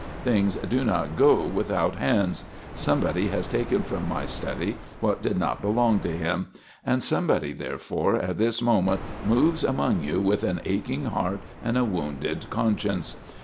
Things do not go without hands. Somebody has taken from my study what did not belong to him; and somebody, therefore, at this moment moves among you with an aching heart and a wounded conscience.